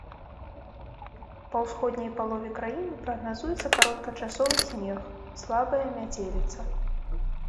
Па ўсходняй палове краіны прагназуецца кароткачасовы снег, слабая мяцеліца.